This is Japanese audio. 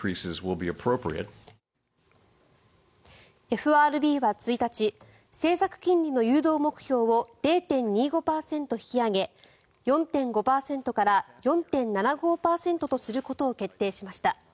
ＦＲＢは１日政策金利の誘導目標を０．２５％引き上げ４．５％から４．７５％とすることを決定しました。